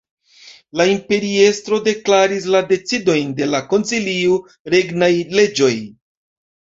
La imperiestro deklaris la decidojn de la koncilio regnaj leĝoj.